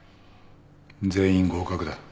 全員合格だ。